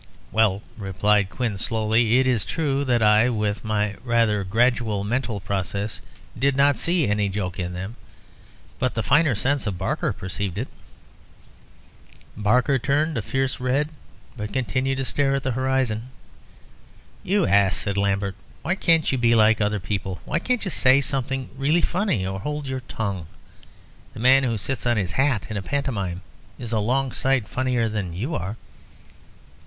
"Well," replied Quin, slowly, "it is true that I, with my rather gradual mental processes, did not see any joke in them. But the finer sense of Barker perceived it." Barker turned a fierce red, but continued to stare at the horizon. "You ass," said Lambert; "why can't you be like other people? Why can't you say something really funny, or hold your tongue? The man who sits on his hat in a pantomime is a long sight funnier than you are."